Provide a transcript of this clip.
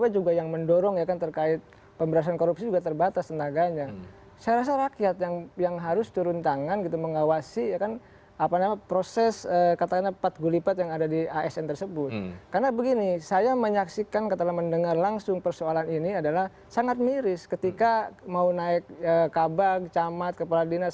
jadi datang lebih dulu kami akan segera kembali